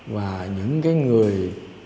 và những cái người